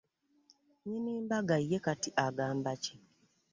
Nnyini mbaga ye kati agamba ki?